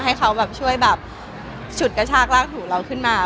ให้เขาแบบช่วยแบบฉุดกระชากลากถูเราขึ้นมา